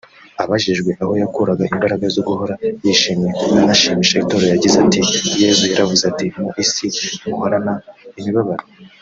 Abajijwe aho yakuraga imbaraga zo guhora yishimye anashimisha Itorero yagize ati “Yesu yaravuze ati ‘Mu isi muhorana imibabaro